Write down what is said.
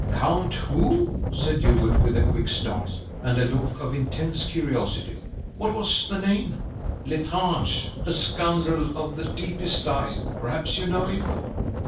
"Count who?" said Hubert, with a quick start, and a look of intense curiosity. "What was the name?" "L'Estrange a scoundrel of the deepest dye! Perhaps you know him?"